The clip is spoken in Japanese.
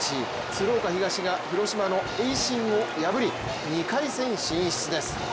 鶴岡東が広島の盈進を破り２回戦進出です。